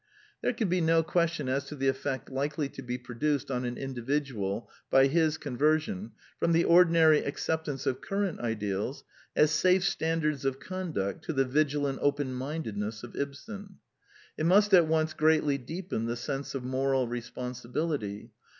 There can be no question as to the effect likely to be produced on an individual by his conversion from the ordinary acceptance of current ideals as safe standards of conduct, to the vigilant open mindedness of Ibsen. It must at once greatly deepen the sense of moral responsibility.